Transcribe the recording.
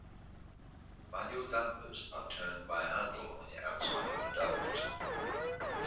Manual dampers are turned by a handle on the outside of a duct.